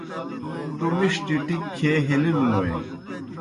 تُوْ مِݜٹیْ ٹِکیْ کھیے ہیلِلِوْنوئے۔